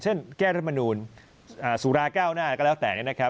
เช่นแก้รมนูลสุราเก้าหน้าก็แล้วแต่